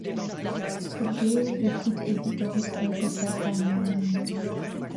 C’est de toute évidence, ajouta Paganel.